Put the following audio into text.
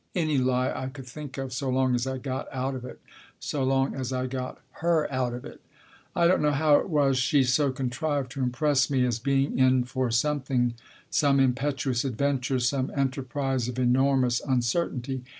Any lie I could think of, so long as I got out of it. So long as I got her out of it. I don't know how it was she so contrived to impress me as being in for something, some impetuous adventure, some enterprise of enormous uncertainty.